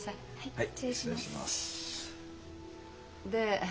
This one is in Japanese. はい！